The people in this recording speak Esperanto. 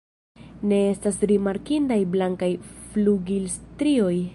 Ne estas rimarkindaj blankaj flugilstrioj.